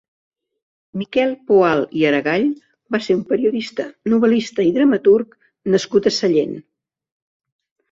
Miquel Poal i Aregall va ser un periodista, novel·lista i dramaturg nascut a Sallent.